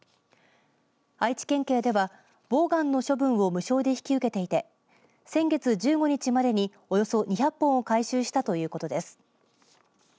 愛知県警ではボーガンの処分を無償で引き受けていて先月１５日までにおよそ２００本を回収したということです。